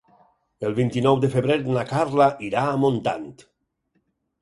El vint-i-nou de febrer na Carla irà a Montant.